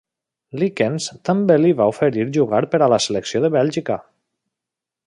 Leekens també li va oferir jugar per la selecció de Bèlgica.